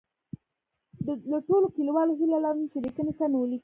له ټولو لیکوالو هیله لرم چي لیکنې سمی ولیکي